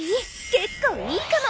結構いいかも。